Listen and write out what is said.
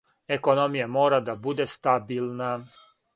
Економија мора да буде стабилна.